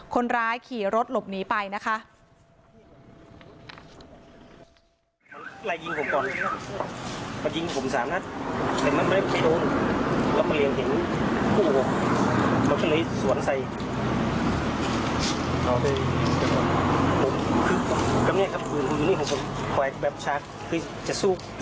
คนร้ายขี่รถหลบหนีไปนะคะ